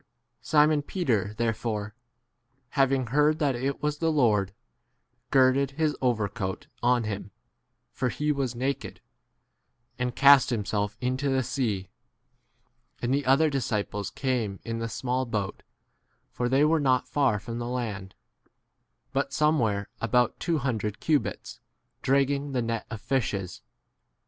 Simon Peter therefore, having heard that it was the Lord, girded his overcoat [on him] (for he was naked), and cast himself into the 8 sea ; and the other disciples came in the small boat, for they were not far from the land, but some where about two hundred cubits, 9 dragging the net of fishes.